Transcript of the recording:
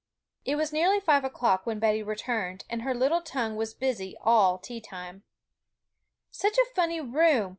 It was nearly five o'clock when Betty returned, and her little tongue was busy all tea time. 'Such a funny room!